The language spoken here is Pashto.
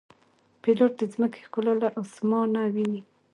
پیلوټ د ځمکې ښکلا له آسمانه ویني.